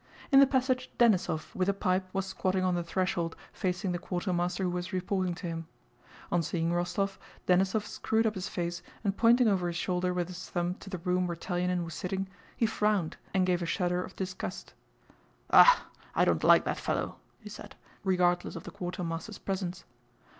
In the passage Denísov, with a pipe, was squatting on the threshold facing the quartermaster who was reporting to him. On seeing Rostóv, Denísov screwed up his face and pointing over his shoulder with his thumb to the room where Telyánin was sitting, he frowned and gave a shudder of disgust. "Ugh! I don't like that fellow," he said, regardless of the quartermaster's presence.